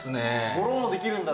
ゴロンもできるんだ。